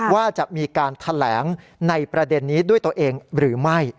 ว่าจะมีการแถลงในประเด็นนี้ด้วยตัวเองหรือไม่